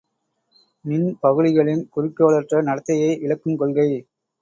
மின்பகுளிகளின் குறிக்கோளற்ற நடத்தையை விளக்குங் கொள்கை.